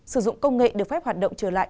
sử dụng công nghệ được phép hoạt động trở lại